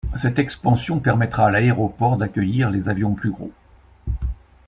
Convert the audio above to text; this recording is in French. Cette expansion permettra à l'aéroport d'accueillir des avions plus gros.